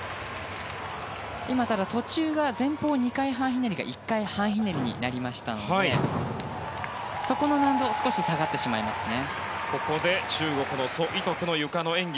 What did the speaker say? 途中が前方２回半ひねりが１回半ひねりになりましたのでそこの難度が少し下がってしまいますね。